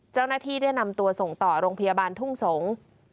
เจ้าหน้าที่ได้นำตัวส่งต่อโรงพยาบาลทุ่งสงศ์